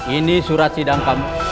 ini surat sidang kamu